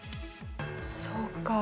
そうかあ。